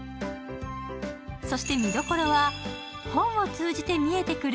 そして見どころは、本を通じて見えてくる